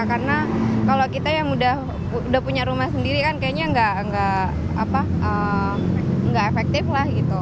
karena kalau kita yang udah punya rumah sendiri kan kayaknya nggak efektif lah gitu